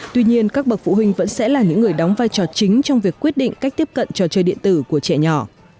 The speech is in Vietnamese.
tuy nhiên các bậc phụ huynh vẫn sẽ là những người đóng vai trò chính trong việc quyết định cách tiếp cận trò chơi điện tử của trẻ nhỏ